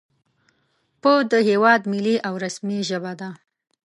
په د هېواد ملي او رسمي ژبه ده